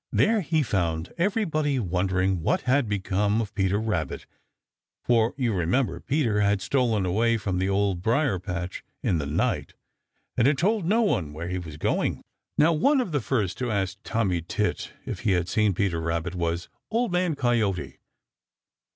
There he found everybody wondering what had become of Peter Rabbit, for you remember Peter had stolen away from the dear Old Briar patch in the night and had told no one where he was going. Now one of the first to ask Tommy Tit if he had seen Peter Rabbit was Old Man Coyote.